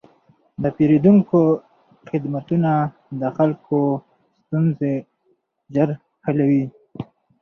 د پېرودونکو خدمتونه د خلکو ستونزې ژر حلوي.